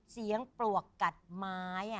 เสียงปลวกกัดไม้